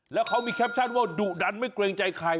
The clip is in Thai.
แล้วเขามีแคปชั่นว่าดุดันไม่เกรงใจใคร